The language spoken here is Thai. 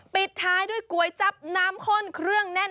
ปิดท้ายด้วยก๋วยจับน้ำข้นเครื่องแน่น